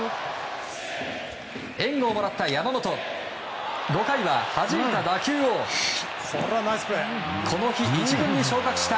援護をもらった山本５回ははじいた打球をこの日１軍に昇格した